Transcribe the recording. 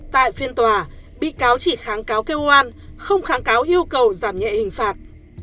tại phiên tòa bị cáo chỉ kháng cáo kêu oan không kháng cáo yêu cầu giảm nhẹ hình phạt